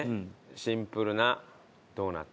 シンプルなドーナツ。